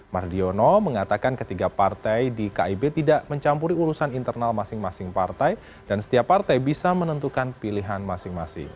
mardiono mengatakan ketiga partai di kib tidak mencampuri urusan internal masing masing partai dan setiap partai bisa menentukan pilihan masing masing